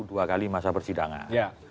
dua kali masa persidangan